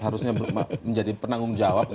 harusnya menjadi penanggung jawab